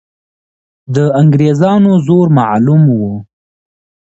د انګریزانو زور معلوم وو.